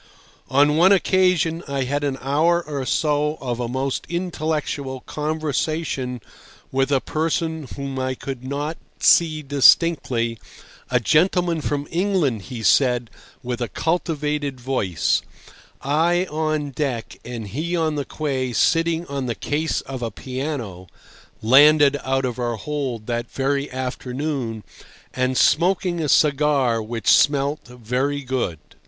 On one occasion I had an hour or so of a most intellectual conversation with a person whom I could not see distinctly, a gentleman from England, he said, with a cultivated voice, I on deck and he on the quay sitting on the case of a piano (landed out of our hold that very afternoon), and smoking a cigar which smelt very good.